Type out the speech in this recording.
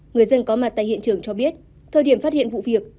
người dân có mặt tại hiện trường cho biết thời điểm phát hiện vụ việc